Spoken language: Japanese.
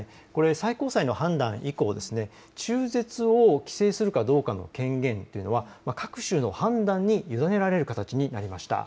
最高裁の判断以降、中絶を規制するかどうかの権限というのは各州の判断に委ねられる形になりました。